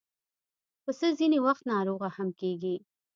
پسه ځینې وخت ناروغه هم کېږي.